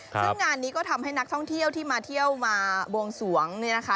ซึ่งงานนี้ก็ทำให้นักท่องเที่ยวที่มาเที่ยวมาบวงสวงเนี่ยนะคะ